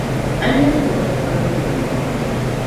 A ŋmɛlimya piri m-muɣi lɔŋ.